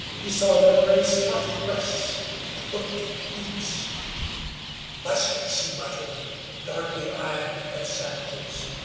He saw their gray, spotted breasts and hooked beaks. "Buzzards," he muttered, darkly eyeing the dead savages.